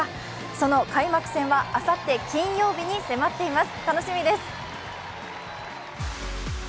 その開幕戦はあさって金曜日に迫っています。